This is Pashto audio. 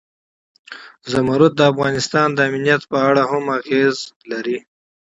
زمرد د افغانستان د امنیت په اړه هم اغېز لري.